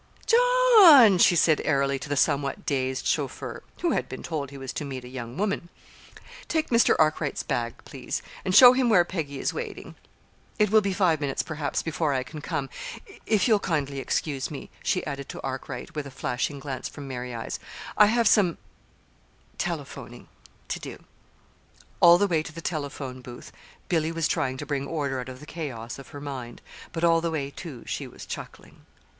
"John," she said airily to the somewhat dazed chauffeur (who had been told he was to meet a young woman), "take Mr. Arkwright's bag, please, and show him where Peggy is waiting. It will be five minutes, perhaps, before I can come if you'll kindly excuse me," she added to Arkwright, with a flashing glance from merry eyes. "I have some telephoning to do." All the way to the telephone booth Billy was trying to bring order out of the chaos of her mind; but all the way, too, she was chuckling.